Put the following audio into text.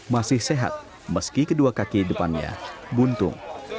masih sehat meski kedua kaki depannya buntung